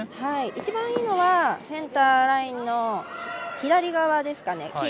一番いいのはセンターラインの左側ですかね。